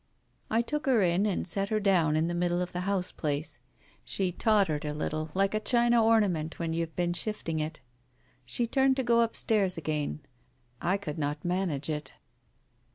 I took her in and set her down in the middle of the house place. She tottered a little, like a china ornament when you have been shifting it. She turned to go upstairs again. I could not manage it.